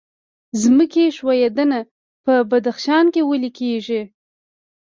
ځمکې ښویدنه په بدخشان کې ولې کیږي؟